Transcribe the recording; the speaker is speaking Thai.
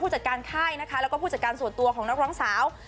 จัดการค่ายนะคะแล้วก็ผู้จัดการส่วนตัวของนักร้องสาว